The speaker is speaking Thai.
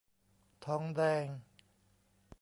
ทองแดง